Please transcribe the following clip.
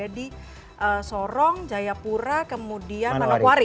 ada di sorong jayapura kemudian tanah kuari